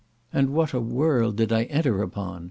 And what a world did I enter upon!